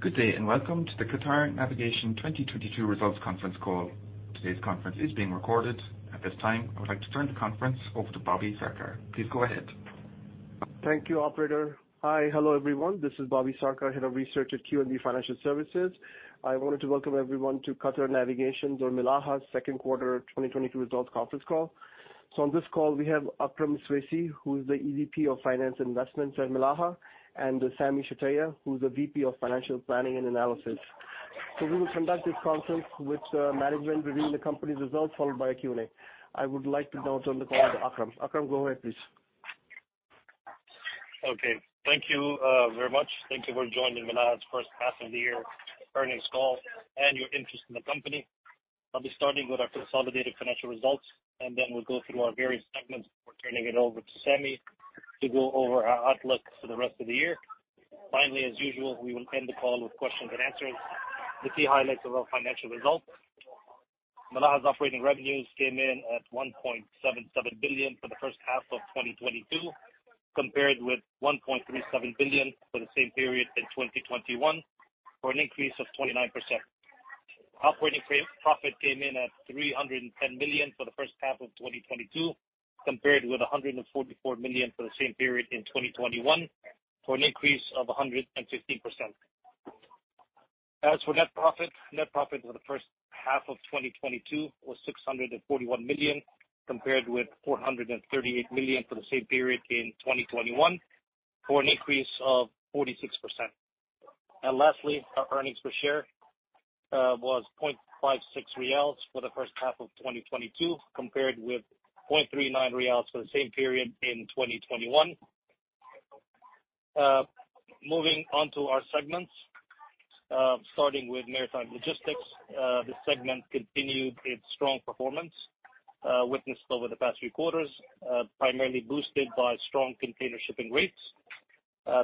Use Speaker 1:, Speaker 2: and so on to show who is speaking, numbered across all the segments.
Speaker 1: Good day, and welcome to the Qatar Navigation 2022 results conference call. Today's conference is being recorded. At this time, I would like to turn the conference over to Bobby Sarkar. Please go ahead.
Speaker 2: Thank you, operator. Hi. Hello, everyone. This is Bobby Sarkar, Head of Research at QNB Financial Services. I wanted to welcome everyone to Qatar Navigation or Milaha Q2 2022 results conference call. On this call we have Akram Iswaisi, who is the EVP of Finance and Investments at Milaha, and Sami Shtayyeh, who's the VP of Financial Planning and Analysis. We will conduct this conference with management reviewing the company's results, followed by a Q&A. I would like to now turn the call to Akram. Akram, go ahead, please.
Speaker 3: Okay. Thank you, very much. Thank you for joining Milaha's first half of the year earnings call and your interest in the company. I'll be starting with our consolidated financial results, and then we'll go through our various segments before turning it over to Sami to go over our outlook for the rest of the year. Finally, as usual, we will end the call with questions and answers. The key highlights of our financial results. Milaha's operating revenues came in at 1.77 billion for the first half of 2022, compared with 1.37 billion for the same period in 2021, for an increase of 29%. Operating profit came in at 310 million for the first half of 2022, compared with 144 million for the same period in 2021, for an increase of 115%. As for net profit, net profit for the first half of 2022 was 641 million, compared with 438 million for the same period in 2021, for an increase of 46%. Lastly, our earnings per share was QAR 0.56 for the first half of 2022, compared with QAR 0.39 for the same period in 2021. Moving on to our segments. Starting with maritime logistics. This segment continued its strong performance, witnessed over the past three quarters, primarily boosted by strong container shipping rates.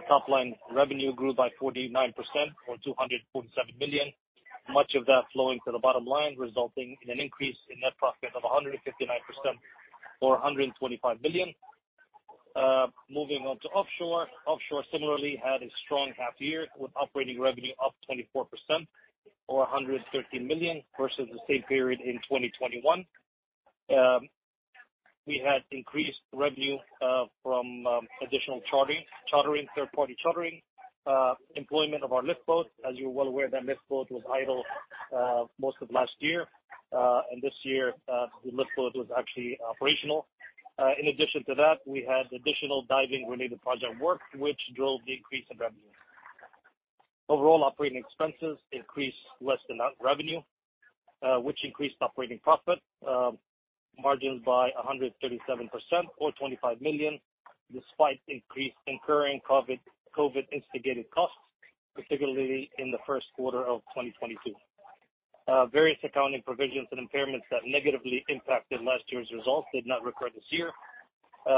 Speaker 3: Top line revenue grew by 49% or 247 million, much of that flowing to the bottom line, resulting in an increase in net profit of 159% or 125 million. Moving on to offshore. Offshore similarly had a strong half year with operating revenue up 24% or 113 million versus the same period in 2021. We had increased revenue from additional chartering, third-party chartering, employment of our liftboats. As you're well aware, that liftboat was idle most of last year. This year, the liftboat was actually operational. In addition to that, we had additional diving-related project work which drove the increase in revenue. Overall operating expenses increased less than that revenue, which increased operating profit margins by 137% or 25 million despite incurring increased COVID-instigated costs, particularly in the Q1 of 2022. Various accounting provisions and impairments that negatively impacted last year's results did not recur this year,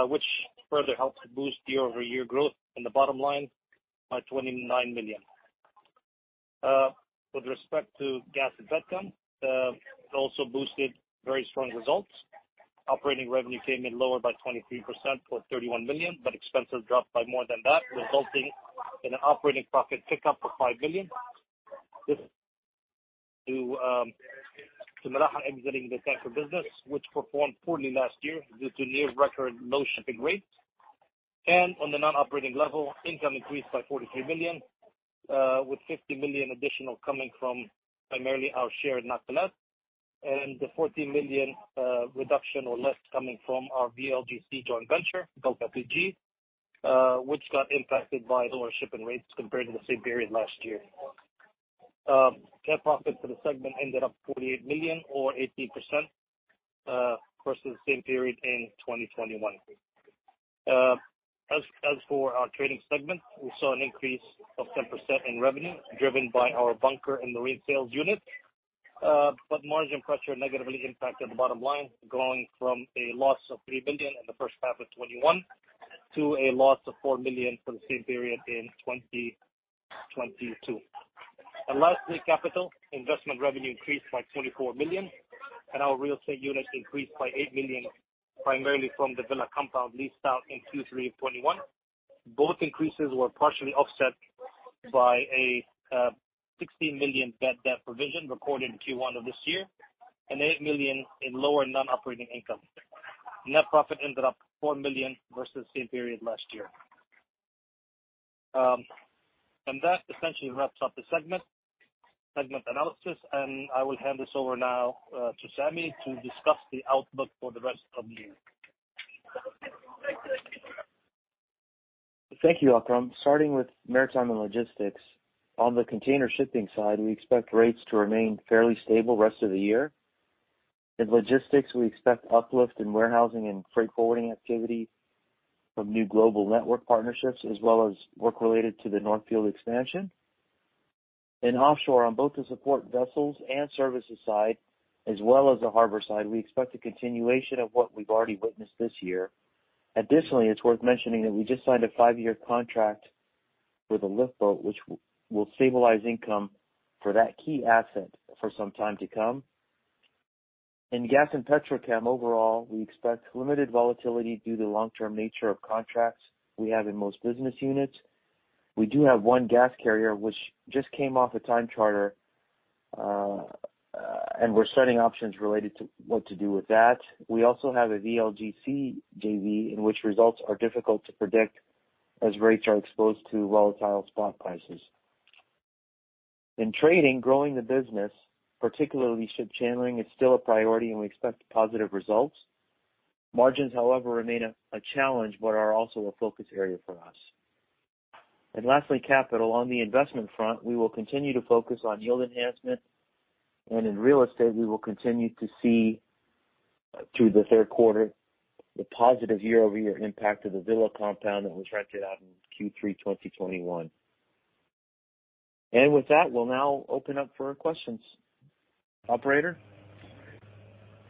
Speaker 3: which further helped to boost the year-over-year growth in the bottom line by 29 million. With respect to Gas & Petrochem, it also boosted very strong results. Operating revenue came in lower by 23% or 31 million, but expenses dropped by more than that, resulting in an operating profit tick up of QAR 5 million. Due to Milaha exiting the tanker business, which performed poorly last year due to near record low shipping rates. On the non-operating level, income increased by 43 million, with 50 million additional coming from primarily our share in Nakilat and the 14 million reduction or less coming from our VLGC joint venture, Delta Corp. PG, which got impacted by lower shipping rates compared to the same period last year. Net profit for the segment ended up 48 million or 18% versus the same period in 2021. As for our trading segment, we saw an increase of 10% in revenue driven by our bunker and marine sales unit. Margin pressure negatively impacted the bottom line, growing from a loss of 3 billion in the first half of 2021 to a loss of 4 million for the same period in 2022. Lastly, capital investment revenue increased by 24 million and our real estate units increased by 8 million, primarily from the villa compound leased out in Q3 of 2021. Both increases were partially offset by a 16 million bad debt provision recorded in Q1 of this year and 8 million in lower non-operating income. Net profit ended up 4 million versus same period last year. That essentially wraps up the segment analysis. I will hand this over now to Sami Shtayyeh to discuss the outlook for the rest of the year.
Speaker 4: Thank you, Akram. Starting with maritime and logistics. On the container shipping side, we expect rates to remain fairly stable rest of the year. In logistics, we expect uplift in warehousing and freight forwarding activity from new global network partnerships, as well as work related to the North Field expansion. In offshore, on both the support vessels and services side as well as the harbor side, we expect a continuation of what we've already witnessed this year. Additionally, it's worth mentioning that we just signed a five-year contract with a liftboat, which will stabilize income for that key asset for some time to come. In gas and petrochem overall, we expect limited volatility due to long-term nature of contracts we have in most business units. We do have one gas carrier which just came off a time charter, and we're studying options related to what to do with that. We also have a VLGC JV in which results are difficult to predict as rates are exposed to volatile spot prices. In trading, growing the business, particularly ship chandling, is still a priority, and we expect positive results. Margins, however, remain a challenge but are also a focus area for us. Lastly, capital. On the investment front, we will continue to focus on yield enhancement. In real estate, we will continue to see, through the Q3, the positive year-over-year impact of the Villa compound that was rented out in Q3 2021. With that, we'll now open up for questions. Operator?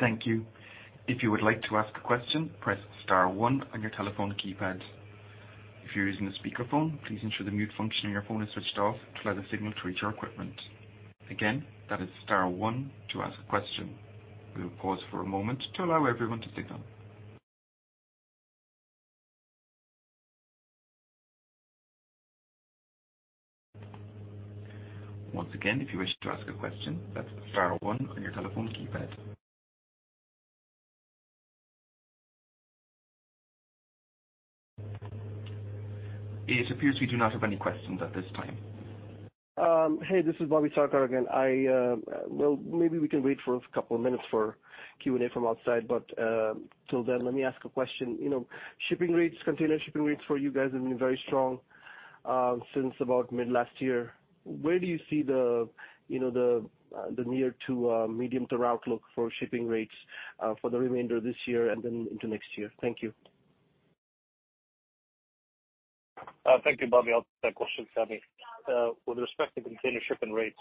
Speaker 1: Thank you. If you would like to ask a question, press * 1 on your telephone keypad. If you're using a speakerphone, please ensure the mute function on your phone is switched off to allow the signal to reach our equipment. Again, that is * 1 to ask a question. We'll pause for a moment to allow everyone to dig in. Once again, if you wish to ask a question, that's * 1 on your telephone keypad. It appears we do not have any questions at this time.
Speaker 2: Hey, this is Bobby Sarkar again. Well, maybe we can wait for a couple of minutes for Q&A from outside. Till then, let me ask a question. You know, shipping rates, container shipping rates for you guys have been very strong since about mid last year. Where do you see, you know, the near to medium-term outlook for shipping rates for the remainder of this year and then into next year? Thank you.
Speaker 4: Thank you, Bobby. I'll take that question. Sami? With respect to container shipping rates,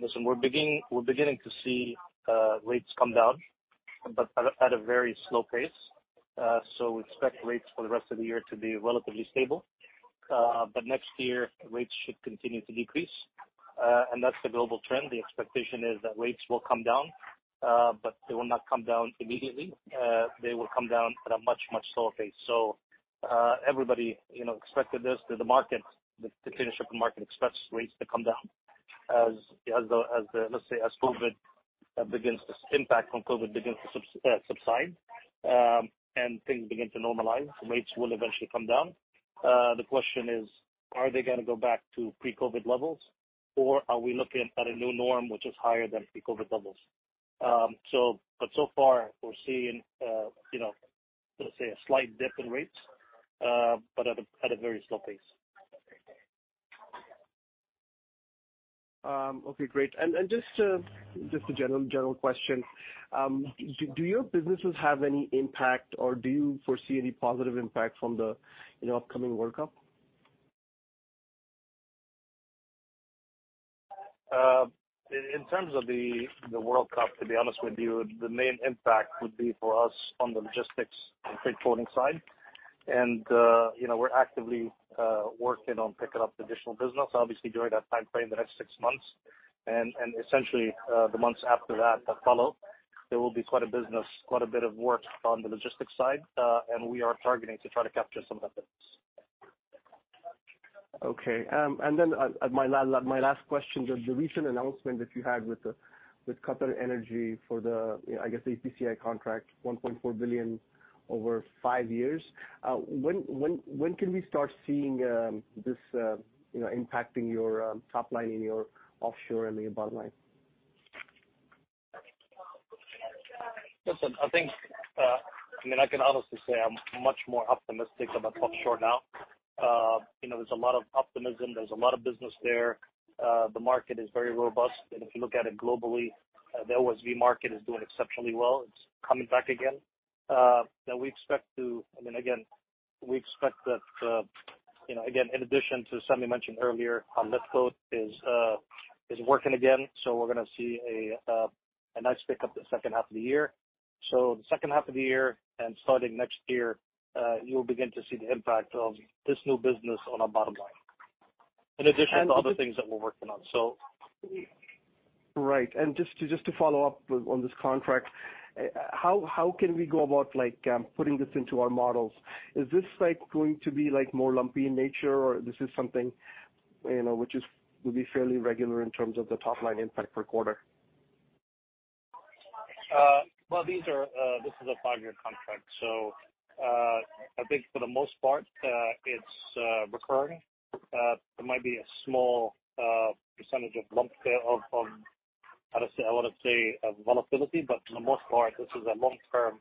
Speaker 4: listen, we're beginning to see rates come down, but at a very slow pace. We expect rates for the rest of the year to be relatively stable. Next year rates should continue to decrease. That's the global trend. The expectation is that rates will come down, but they will not come down immediately. They will come down at a much slower pace. Everybody, you know, expected this. The market, the container shipping market expects rates to come down as the, let's say, impact from COVID begins to subside, and things begin to normalize, rates will eventually come down. The question is, are they gonna go back to pre-COVID levels, or are we looking at a new norm which is higher than pre-COVID levels? So far we're seeing, you know, let's say a slight dip in rates, but at a very slow pace.
Speaker 2: Okay, great. Just a general question. Do your businesses have any impact, or do you foresee any positive impact from the upcoming World Cup?
Speaker 3: In terms of the World Cup, to be honest with you, the main impact would be for us on the logistics and freight forwarding side. We're actively working on picking up additional business, obviously during that timeframe, the next six months. Essentially, the months after that follow, there will be quite a bit of work on the logistics side. We are targeting to try to capture some of that business.
Speaker 2: Okay. My last question. Just the recent announcement that you had with QatarEnergy for the, I guess, the EPCI contract, 1.4 billion over five years. When can we start seeing this, you know, impacting your top line in your offshore and your bottom line?
Speaker 3: Listen, I think, I mean, I can honestly say I'm much more optimistic about offshore now. You know, there's a lot of optimism. There's a lot of business there. The market is very robust. If you look at it globally, the OSV market is doing exceptionally well. It's coming back again. I mean, again, we expect that, you know, again, in addition to Sami mentioned earlier, our lift boat is working again. We're gonna see a nice pick up the second half of the year. The second half of the year and starting next year, you'll begin to see the impact of this new business on our bottom line, in addition to other things that we're working on.
Speaker 2: Right. Just to follow up on this contract, how can we go about like putting this into our models? Is this like going to be like more lumpy in nature or this is something you know which will be fairly regular in terms of the top line impact per quarter?
Speaker 3: Well, this is a five-year contract, so I think for the most part it's recurring. There might be a small percentage of lump sum of volatility, but for the most part this is a long-term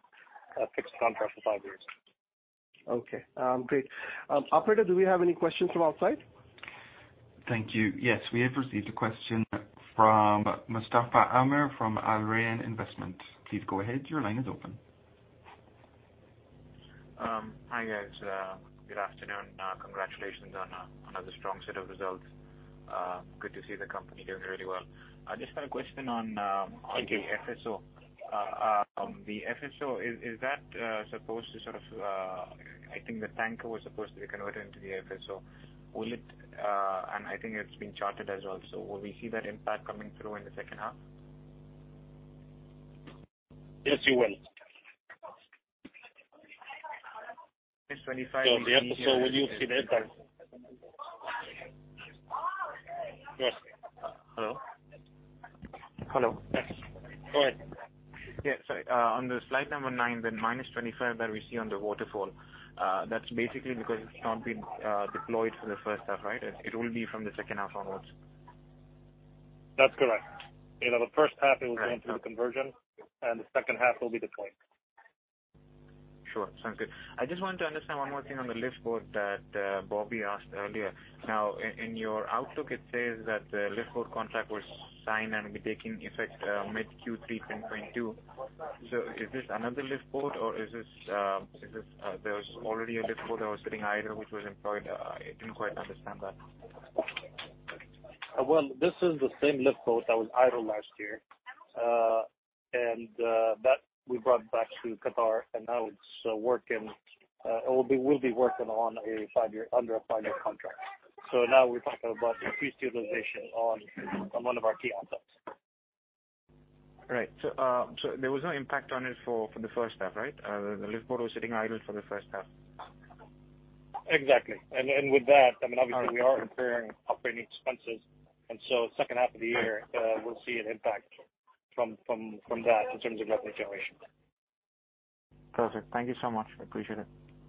Speaker 3: fixed contract for five years.
Speaker 2: Okay. Great. Operator, do we have any questions from outside?
Speaker 1: Thank you. Yes, we have received a question from Mustafa Amir from Al Rayan Investment. Please go ahead. Your line is open.
Speaker 5: Hi, guys. Good afternoon. Congratulations on another strong set of results. Good to see the company doing really well. I just got a question on the FSO. The FSO, is that supposed to sort of, I think the tanker was supposed to be converted into the FSO. Will it, and I think it's been chartered as also. Will we see that impact coming through in the second half?
Speaker 3: Yes, you will.
Speaker 5: 25
Speaker 3: The FSO, will you see that? Yes.
Speaker 5: Hello? Hello.
Speaker 3: Go ahead.
Speaker 5: Yeah, sorry. On the slide number nine, the -25 that we see on the waterfall, that's basically because it's not been deployed for the first half, right? It will be from the second half onwards.
Speaker 3: That's correct. You know, the first half it will go into the conversion, and the second half will be deployed.
Speaker 5: Sure. Sounds good. I just wanted to understand one more thing on the lift boat that, Bobby asked earlier. Now, in your outlook, it says that the lift boat contract was signed and will be taking effect, mid Q3 2022. Is this another lift boat or is this, there was already a lift boat that was sitting idle which was employed? I didn't quite understand that.
Speaker 3: Well, this is the same liftboat that was idle last year that we brought back to Qatar, and now it's working. It will be working under a five-year contract. Now we're talking about increased utilization on one of our key assets.
Speaker 5: Right. There was no impact on it for the first half, right? The liftboat was sitting idle for the first half.
Speaker 3: Exactly. With that, I mean, obviously we are incurring operating expenses. Second half of the year, we'll see an impact from that in terms of revenue generation.
Speaker 5: Perfect. Thank you so much. I appreciate it.